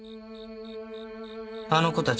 あの子たち